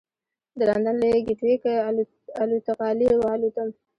د لندن له ګېټوېک الوتغالي والوتم.